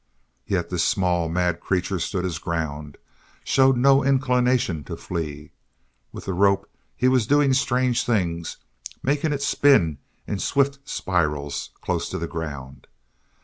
Yet this small, mad creature stood his ground, showed no inclination to flee. With the rope he was doing strange things, making it spin in swift spirals, close to the ground.